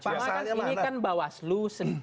ini kan bawaslu